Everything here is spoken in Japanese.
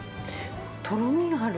とろみがある。